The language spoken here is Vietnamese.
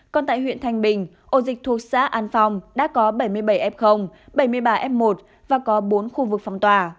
còn tại huyện thanh bình ổ dịch thuộc xã an phong đã có bảy mươi bảy f bảy mươi ba f một và có bốn khu vực phòng tỏa